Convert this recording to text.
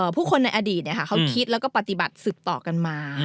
ผู้คนในอดีตเขาคิดแล้วก็ปฏิบัติสืบต่อกันมา